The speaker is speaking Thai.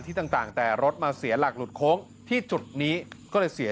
ต่างแต่รถมาเสียหลักหลุดโค้งที่จุดนี้ก็เลยเสีย